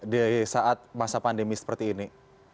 di saat masa pandemi seperti ini